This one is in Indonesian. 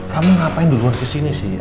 kamu ngapain duluan kesini sih